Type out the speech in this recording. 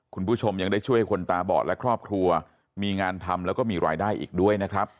คุณผู้ชมยังได้ช่วยคนตาบอดและครอบครัวมีงานทำแล้วก็มีรายได้อีกด้วยนะครับ